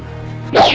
yang menjaga diri